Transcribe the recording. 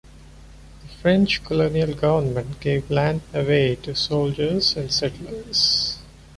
The French colonial government gave land away to soldiers and settlers.